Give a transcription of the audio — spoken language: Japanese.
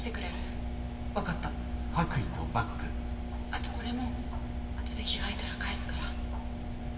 あとこれもあとで着替えたら返すから。